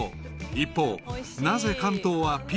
［一方］